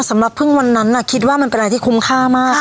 สำหรับพึ่งวันนั้นคิดว่ามันเป็นอะไรที่คุ้มค่ามาก